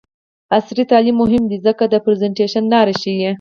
عصري تعلیم مهم دی ځکه چې د پریزنټیشن لارې ښيي.